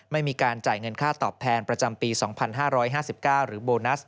ไม่มีการจ่ายเงินค่าตอบแทนประจำปี๒๕๕๙หรือโบนัส